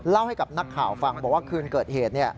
ให้กับนักข่าวฟังบอกว่าคืนเกิดเหตุ